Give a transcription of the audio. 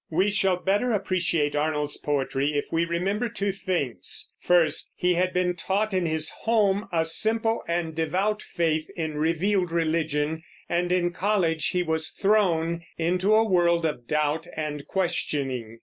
We shall better appreciate Arnold's poetry if we remember two things: First, he had been taught in his home a simple and devout faith in revealed religion, and in college he was thrown into a world of doubt and questioning.